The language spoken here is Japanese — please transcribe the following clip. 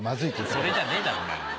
それじゃねえだろお前。